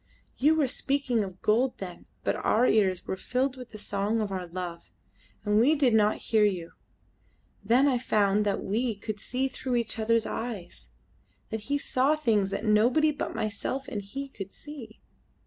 You were speaking of gold then, but our ears were filled with the song of our love, and we did not hear you. Then I found that we could see through each other's eyes: that he saw things that nobody but myself and he could see.